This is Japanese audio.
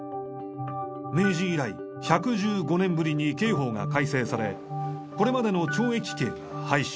明治以来１１５年ぶりに刑法が改正されこれまでの懲役刑が廃止。